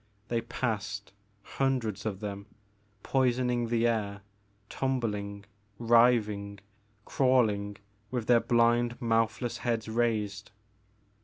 They passed, hundreds of them, poison ing the air, tumbling, writhing, crawling with their blind mouthless heads raised.